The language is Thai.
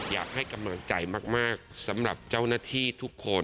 อยากให้กำลังใจมากสำหรับเจ้าหน้าที่ทุกคน